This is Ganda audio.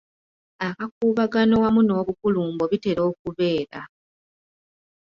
Akakuubagano wamu n’obugulumbo bitera okubeera.